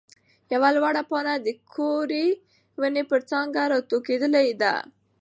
يوه لوړه پاڼه د ګورې ونې پر څانګه راټوکېدلې ده.